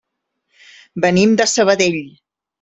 Venim de Sabadell.